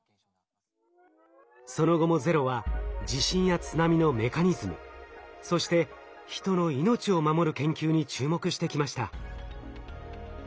その後も「ＺＥＲＯ」は地震や津波のメカニズムそして人の命を守る研究に注目してきました。